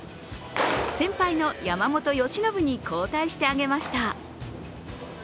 先輩の山本由伸に交代してあげました。